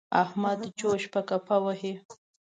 احمد چوس په کفه وهي.